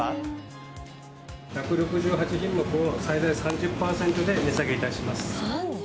１６８品目を最大３０％で値下げいたします。